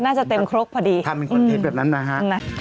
น่าจะเต็มครกพอดีท่านเป็นคอนเทนต์แบบนั้นนะฮะ